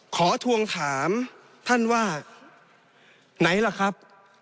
ทวงถามท่านว่าไหนล่ะครับ